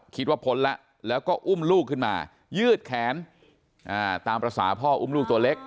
คิดว่าพ้นละแล้วก็อุ้มลูกขึ้นมายื่ดแขนตามประสาทพ่ออุ้มลูกตัวเล็ก